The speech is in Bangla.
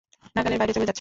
নাগালের বাইরে চলে যাচ্ছে।